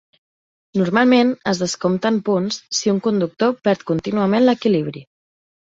Normalment es descompten punts si un conductor perd contínuament l'equilibri.